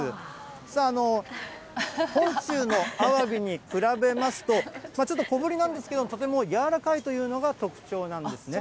さあ、本州のアワビに比べますと、ちょっと小ぶりなんですけど、とてもやわらかいというのが特徴なんですね。